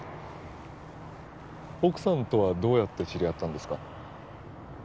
奥さんとはどうやって知り合ったんですか？